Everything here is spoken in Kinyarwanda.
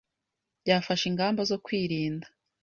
byafashe ingamba zo kwirinda